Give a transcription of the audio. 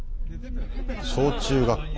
小中学校。